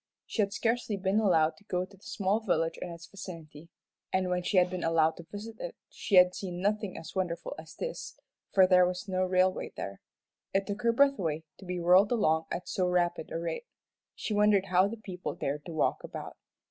She had scarcely been allowed to go to the small village in its vicinity, and when she had been allowed to visit it she had seen nothing as wonderful as this, for there was no railway there. It took her breath away to be whirled along at so rapid a rate. She wondered how the people dared to walk about.